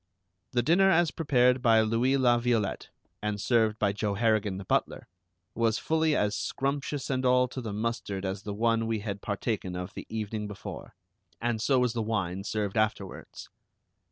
The dinner as prepared by Louis La Violette, and served by Joe Harrigan the butler, was fully as scrumptious and all to the mustard as the one we had partaken of the evening before, and so was the wine served afterwards.